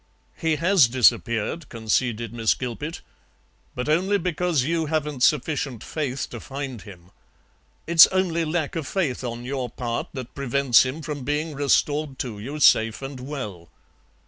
"He has disappeared," conceded Miss Gilpet, "but only because you haven't sufficient faith to find him. It's only lack of faith on your part that prevents him from being restored to you safe and well."